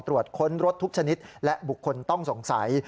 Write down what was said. ตรวจค้นรถทุกชนิดและบุคคลต้องสงสัย